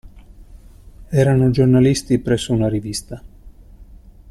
Erano giornalisti presso una rivista.